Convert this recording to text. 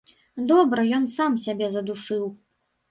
Добра, ён сам сябе задушыў.